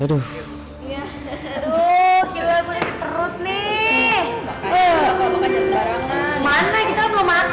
aduh gila gue ini perut nih